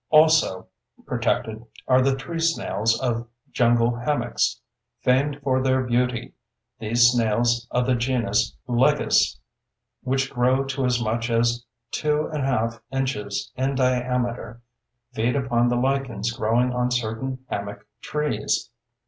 Also protected are the tree snails of jungle hammocks. Famed for their beauty, these snails of the genus Liguus, which grow to as much as 2½ inches in diameter, feed upon the lichens growing on certain hammock trees.